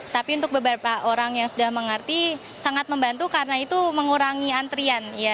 tapi untuk beberapa orang yang sudah mengerti sangat membantu karena itu mengurangi antrian